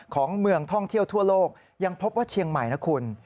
ของเมืองท่องเที่ยวทั่วโลกยังพบว่าเชียงใหม่นะคุณ